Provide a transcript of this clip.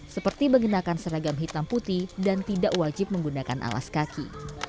seperti mengenakan seragam hitam putih dan tidak wajib menggunakan alas kaki